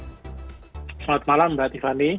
selamat malam mbak tiffany